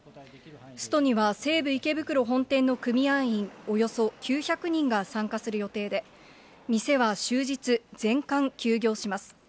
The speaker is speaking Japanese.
ストには西武池袋本店の組合員およそ９００人が参加する予定で、店は終日、全館休業します。